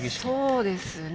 そうですね。